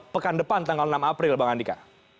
pekan depan tanggal enam april bang andika